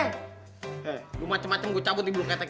hei lu macem macem gua cabut di bulu ketek